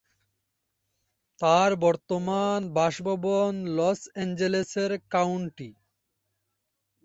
তার বর্তমান বাসভবন লস এঞ্জেলেস কাউন্টি।